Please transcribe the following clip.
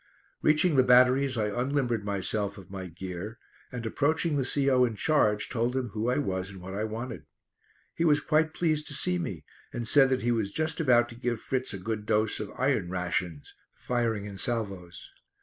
Reaching the batteries I unlimbered myself of my gear and approaching the C.O. in charge told him who I was and what I wanted. He was quite pleased to see me and said that he was just about to give Fritz a good dose of "iron rations," firing in salvos.